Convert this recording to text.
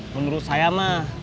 menurut saya mah